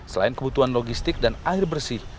selain kebutuhan logistik dan air bersih